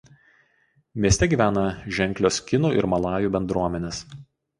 Mieste gyvena ženklios kinų ir malajų bendruomenės.